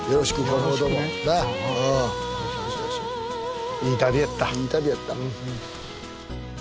いい旅やった。